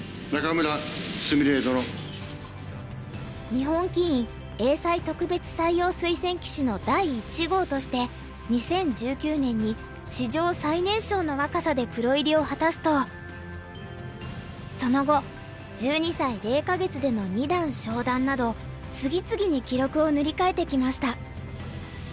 日本棋院英才特別採用推薦棋士の第１号として２０１９年に史上最年少の若さでプロ入りを果たすとその後１２歳０か月での二段昇段など次々に記録を塗り替えてきました。